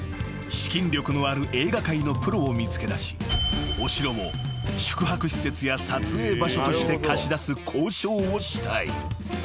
［資金力のある映画界のプロを見つけだしお城を宿泊施設や撮影場所として貸し出す交渉をしたい］